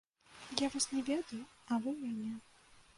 Я вас не ведаю, а вы мяне.